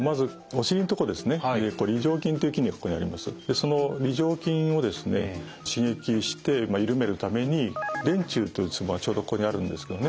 その梨状筋をですね刺激して緩めるために臀中というツボがちょうどここにあるんですけどね。